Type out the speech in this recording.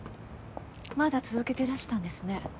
まだ続けてらしたんですね。